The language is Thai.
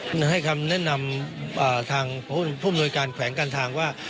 จะให้คำแนะนำทางพ่อพูดผู้ปภูมิโรยการแขวงการทางว่า